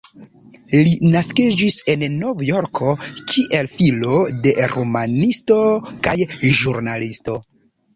Li naskiĝis en Novjorko, kiel filo de romanisto kaj ĵurnalisto.